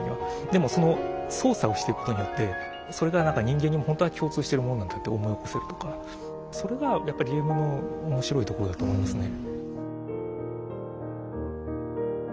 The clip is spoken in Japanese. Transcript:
でもその操作をしていくことによってそれが何か人間にもほんとは共通してるもんなんだって思い起こせるとかそれがやっぱりゲームの面白いところだと思いますね。